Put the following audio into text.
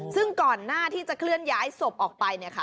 ซึ่งก่อนหน้าที่จะเคลื่อนย้ายศพออกไปเนี่ยค่ะ